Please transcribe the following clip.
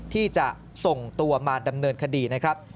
ที่จะส่งตัวมาดำเนินคดี